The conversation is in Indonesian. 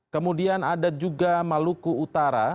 kemudian ada juga maluku utara